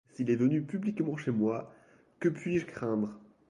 S’il est venu publiquement chez moi, que puis-je craindre ?